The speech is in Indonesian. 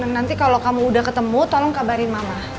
nanti kalau kamu udah ketemu tolong kabarin mama